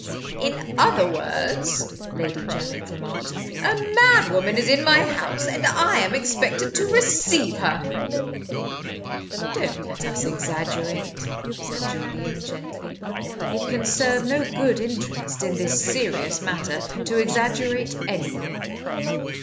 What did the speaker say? "In other words," Lady Janet remarked, "a madwoman is in my house, and I am expected to receive her!" "Don't let us exaggerate," said Julian, gently. "It can serve no good interest, in this serious matter, to exaggerate anything.